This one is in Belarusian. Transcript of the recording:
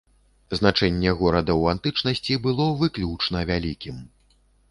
Значэнне горада ў антычнасці было выключна вялікім.